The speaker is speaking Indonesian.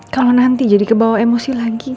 kalau nanti jadi kebawa emosi lagi gimana ya